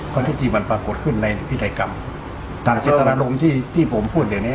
ทุกที่มันปรากฏขึ้นในพินัยกรรมต่างเจตนารมณ์ที่ที่ผมพูดอย่างเนี้ย